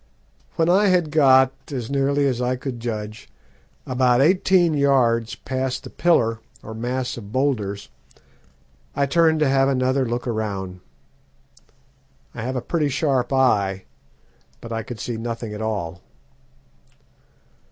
When I had got, as nearly as I could judge, about eighteen yards past the pillar or mass of boulders, I turned to have another look round. I have a pretty sharp eye, but I could see nothing at all.